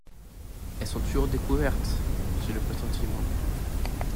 Elles sont toujours découvertes. — J’ai le pressentiment…